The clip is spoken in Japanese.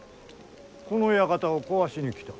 この館を壊しに来た。